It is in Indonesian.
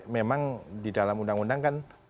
memang di dalam undang undang kan